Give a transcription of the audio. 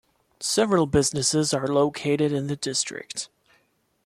Several businesses are located in the district.